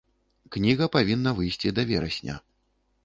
Кніга павінна выйсці да верасня.